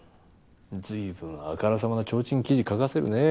随分あからさまなちょうちん記事書かせるね。